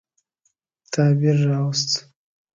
تغییر را ووست.